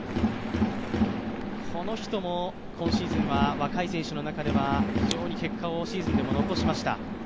この人も今シーズンは若い選手の中では非常に結果をシーズンでも残しました。